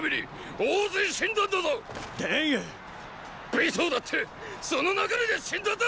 尾到だってその流れで死んだんだ！